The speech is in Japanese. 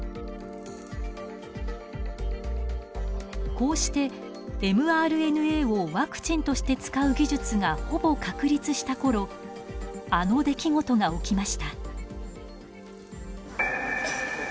こうしてｍＲＮＡをワクチンとして使う技術がほぼ確立したころあの出来事が起きました。